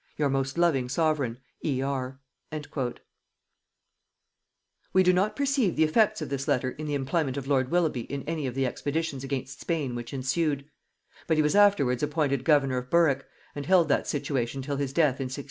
"Your most loving sovereign "E. R." We do not perceive the effects of this letter in the employment of lord Willoughby in any of the expeditions against Spain which ensued; but he was afterwards appointed governor of Berwick, and held that situation till his death in 1601.